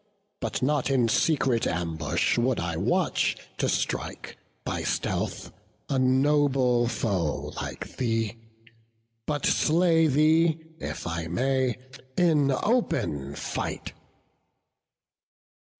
But not in secret ambush would I watch, To strike, by stealth, a noble foe like thee; But slay thee, if I may, in open fight."